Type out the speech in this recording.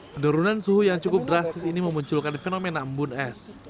penurunan suhu yang cukup drastis ini memunculkan fenomena embun es